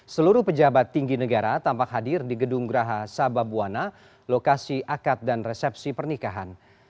seluruh pejabat tinggi negara tampak hadir di gedung graha sababwana lokasi akad dan resepsi pernikahan